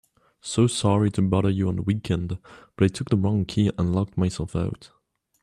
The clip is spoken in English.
So sorry to bother you on the weekend, but I took the wrong key and locked myself out.